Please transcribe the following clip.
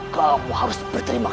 kamu harus berterima kasih